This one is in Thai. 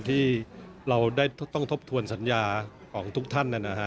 ที่เราได้ต้องทบทวนสัญญาของทุกท่าน